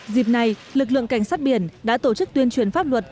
dịp này lực lượng cảnh sát biển đã tổ chức tuyên truyền pháp luật